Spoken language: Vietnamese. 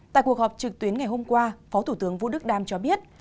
tại cuộc họp trực tuyến ngày hôm qua phó thủ tướng vũ đức đam cho biết